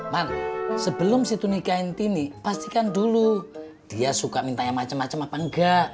man sebelum si tunika inti ini pastikan dulu dia suka minta yang macem macem apa enggak